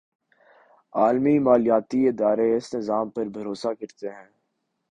عالمی مالیاتی ادارے اس نظام پر بھروسہ کرتے ہیں۔